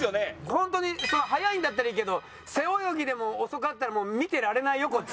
本当に速いんだったらいいけど背泳ぎでも遅かったらもう見てられないよこっち。